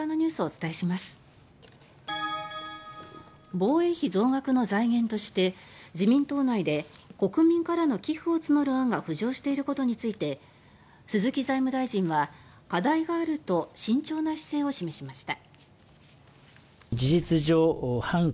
防衛費増額の財源として自民党内で国民からの寄付を募る案が浮上していることについて鈴木財務大臣は「課題がある」と慎重な姿勢を示しました。